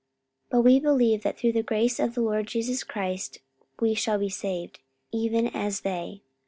44:015:011 But we believe that through the grace of the LORD Jesus Christ we shall be saved, even as they.